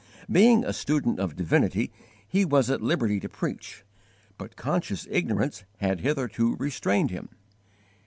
Being a student of divinity he was at liberty to preach, but conscious ignorance had hitherto restrained him.